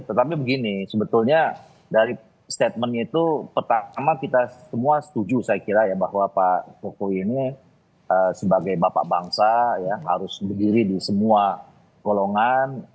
tetapi begini sebetulnya dari statement itu pertama kita semua setuju saya kira ya bahwa pak jokowi ini sebagai bapak bangsa ya harus berdiri di semua golongan